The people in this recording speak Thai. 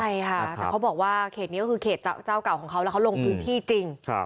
ใช่ค่ะแต่เขาบอกว่าเขตนี้ก็คือเขตเจ้าเก่าของเขาแล้วเขาลงพื้นที่จริง